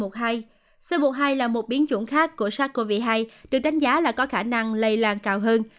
sơ bộ hai là một biến chủng khác của sars cov hai được đánh giá là có khả năng lây lan cao hơn